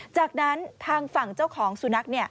จากนั้นทางฝั่งเจ้าของสุนัข